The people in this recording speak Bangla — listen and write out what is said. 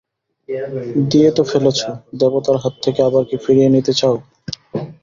দিয়ে তো ফেলেছ, দেবতার হাত থেকে আবার কি ফিরিয়ে নিতে চাও?